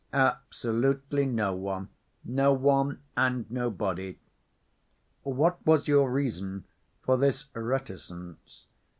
"Absolutely no one. No one and nobody." "What was your reason for this reticence?